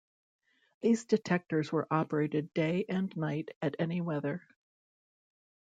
These detectors were operated day and night at any weather.